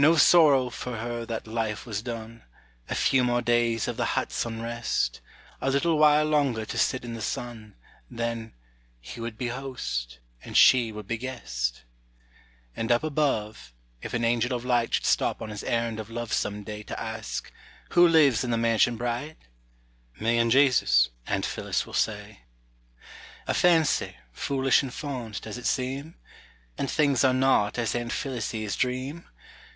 No sorrow for her that life was done: A few more days of the hut's unrest, A little while longer to sit in the sun, Then He would be host, and she would be guest! And up above, if an angel of light Should stop on his errand of love some day To ask, "Who lives in the mansion bright?" "Me and Jesus," Aunt Phillis will say. A fancy, foolish and fond, does it seem? And things are not as Aunt Phillises dream?